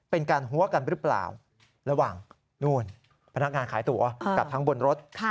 เป็นการหัวกันหรือเปล่าระหว่างนู่นพนักงานขายตั๋วกับทั้งบนรถ